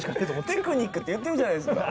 テクニック。って言ってるじゃないですか。